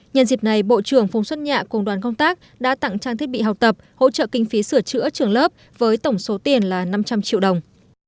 nhân dịp này bộ trưởng phùng xuất nhạ cùng đoàn công tác đã tặng trang thiết bị học tập hỗ trợ kinh phí sửa chữa trường lớp với tổng số tiền là năm trăm linh triệu đồng